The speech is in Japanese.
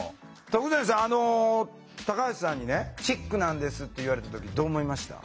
徳善さんタカハシさんにねチックなんですって言われた時どう思いました？